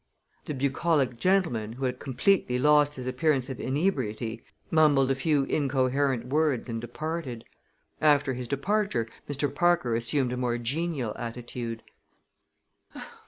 The bucolic gentleman, who had completely lost his appearance of inebriety, mumbled a few incoherent words and departed. After his departure Mr. Parker assumed a more genial attitude.